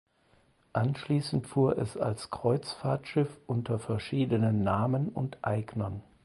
Anschließend fuhr es als Kreuzfahrtschiff unter verschiedenen Namen und Eignern.